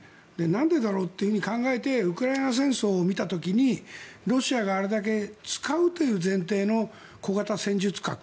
なんでだろうって考えてウクライナ戦争を見た時にロシアがあれだけ使うという前提の小型戦術核